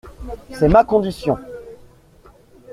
C’est ma condition !